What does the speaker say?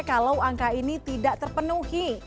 kalau angka ini tidak terpenuhi